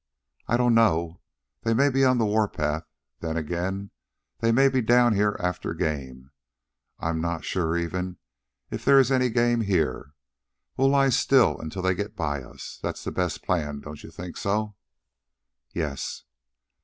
"I don't know. They may be on the warpath; then, again, they may be down here after game. I'm not sure even, if there is any game here. We'll lie still until they get by us. That's the best plan; don't you think so?" "Yes."